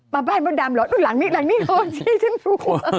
มาบ้านมดดำหรอหลังนี้หลังนี้ชี้ฉันรู้